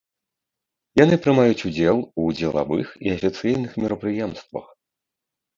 Яны прымаюць удзел у дзелавых і афіцыйных мерапрыемствах.